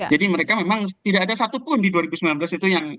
jadi mereka memang tidak ada satupun di dua ribu sembilan belas itu yang